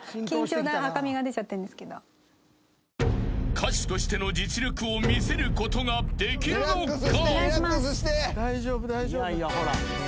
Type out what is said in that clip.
［歌手としての実力を見せることができるのか！？］